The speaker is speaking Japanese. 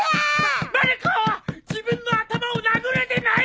まる子自分の頭を殴るでない！